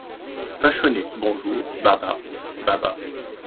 Vachonnet Bonjour, Baba … baba …